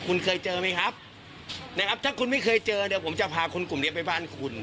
คุณเคยเจอไหมครับนะครับถ้าคุณไม่เคยเจอเดี๋ยวผมจะพาคนกลุ่มนี้ไปบ้านคุณ